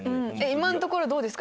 今のところどうですか？